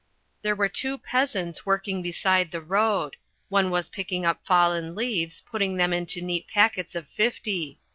There were two peasants working beside the road. One was picking up fallen leaves, and putting them into neat packets of fifty.